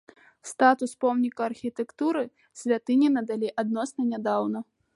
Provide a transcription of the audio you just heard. Статус помніка архітэктуры святыні надалі адносна нядаўна.